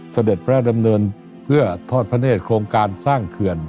เสด็จพระราชดำเนินเพื่อทอดพระเนธโครงการสร้างเขื่อน